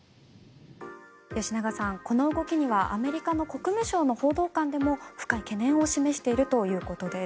吉永さん、この動きにはアメリカの国務省の報道官でも深い懸念を示しているということです。